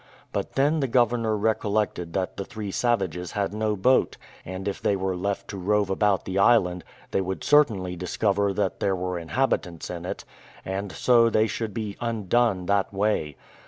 But then the governor recollected that the three savages had no boat; and if they were left to rove about the island, they would certainly discover that there were inhabitants in it; and so they should be undone that way.